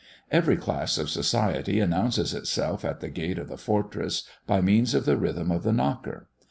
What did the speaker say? Every class of society announces itself at the gate of the fortress by means of the rythm of the knocker.